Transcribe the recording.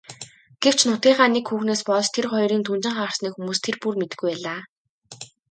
Гэвч нутгийнхаа нэг хүүхнээс болж тэр хоёрын түнжин хагарсныг хүмүүс тэр бүр мэдэхгүй байлаа.